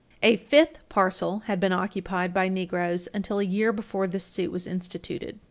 A fifth parcel had been occupied by Negroes until a year before this suit was instituted.